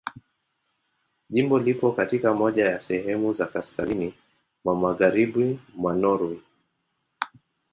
Jimbo lipo katika moja ya sehemu za kaskazini mwa Magharibi mwa Norwei.